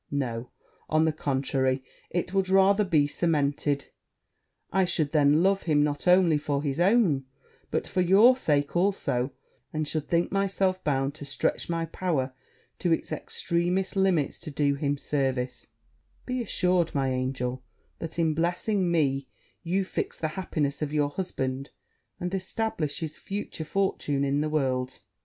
No; on the contrary, it would rather be cemented; I should then love him not only for his own, but for your sake also, and should think myself bound to stretch my power to it's extremest limits to do him service: be assured, my angel, that in blessing me, you fix the happiness of your husband, and establish his future fortune in the world.'